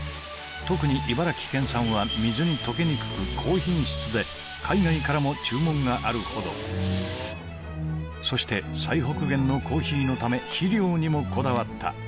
特に茨城県産は水にとけにくく高品質で海外からも注文があるほどそして最北限のコーヒーのため肥料にもこだわった